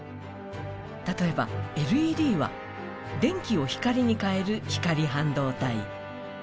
例えば、ＬＥＤは電気を光に変える光半導体。